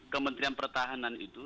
kementerian pertahanan itu